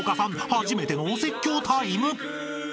初めてのお説教タイム］